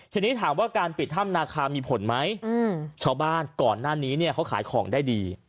ทีนี้ถามว่าการปิดถ้ำนาคามีผลไหมชาวบ้านก่อนหน้านี้เนี่ยเขาขายของได้ดี